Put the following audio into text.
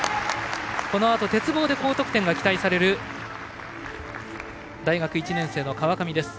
このあと鉄棒で高得点が期待される大学１年生の川上です。